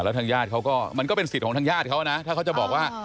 แล้วทางญาติเขาก็มันก็เป็นสิทธิ์ของทางญาติเขานะถ้าเขาจะบอกว่า